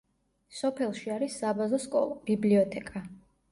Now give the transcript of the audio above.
სოფელში არის საბაზო სკოლა, ბიბლიოთეკა.